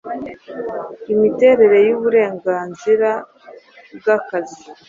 imiterere yuburenganzira bwakazi